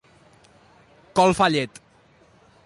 Col fa llet.